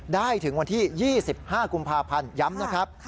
ได้ถึงวันที่๒๕กุมภาพันธ์ย้ำนะครับ